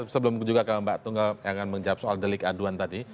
sebelum juga ke mbak tunggal yang akan menjawab soal delik aduan tadi